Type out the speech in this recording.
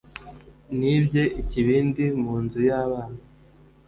Nibye ikibindi mu nzu y'abana.